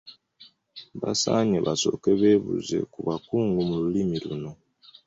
Basaanye basooke beebuuze ku bakugu mu Lulimi luno.